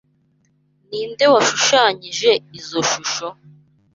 Ninde washushanyije izoi shusho?